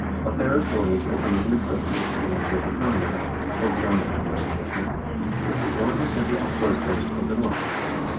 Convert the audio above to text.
Ohthere's voyage opened a new trade route to the land of the Permians (called Bjarmeland by the Norsemen), which was one of the centers of the fur trade of the North.